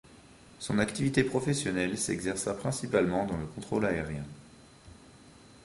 Son activité professionnelle s'exerça principalement dans le contrôle aérien.